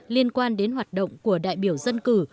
liên quan đến hoạt động của đại biểu dân cử